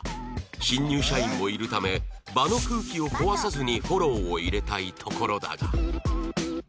新入社員もいるため場の空気を壊さずにフォローを入れたいところだが